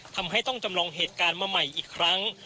ทำให้ต้องจำลองเหตุการณ์มาใหม่อีกครั้ง